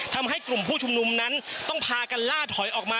ทำให้กลุ่มผู้ชุมนุมนั้นต้องพากันล่าถอยออกมา